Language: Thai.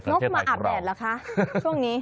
กมาอาบแดดเหรอคะช่วงนี้